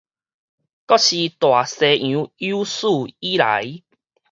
閣是大西洋有史以來